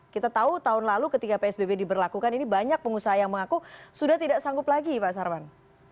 kita tahu tahun lalu ketika psbb diberlakukan ini banyak pengusaha yang mengaku sudah tidak sanggup lagi pak sarman